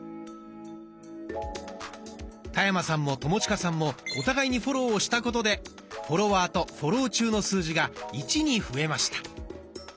田山さんも友近さんもお互いにフォローをしたことでフォロワーとフォロー中の数字が「１」に増えました。